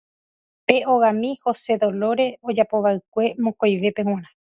Pe ogami Hosedolóre ojapovaʼekue mokõivépe g̃uarã.